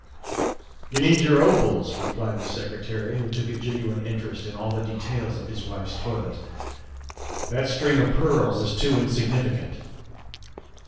''" You need your opals," replied the Secretary, who took a genuine interest in all the details of his wife's toilet, " that string of pearls is too insignificant."